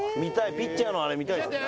ピッチャーのあれ見たいですね。